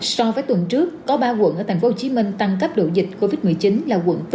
so với tuần trước có ba quận ở tp hcm tăng cấp độ dịch covid một mươi chín là quận bốn